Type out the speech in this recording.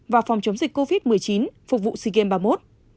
và phòng chống dịch covid một mươi chín phục vụ sea games ba mươi một